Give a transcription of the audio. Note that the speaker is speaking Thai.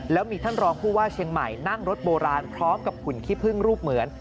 แล้วมีท่านรองผู้ว่าเชียงใหม่นั่งรถโบราณพร้อมกับหุ่นขี้พึ่งรูปเหมือน